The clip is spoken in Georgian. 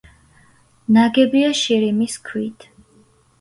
ნაგებია შირიმის ქვით.